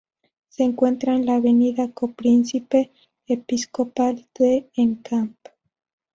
Se encuentra en la avenida Copríncipe Episcopal de Encamp.